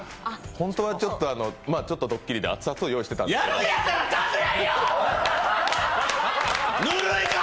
本当はちょっとドッキリで熱々を用意してたんですが。